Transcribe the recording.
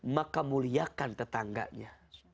maka muliakan tetangganya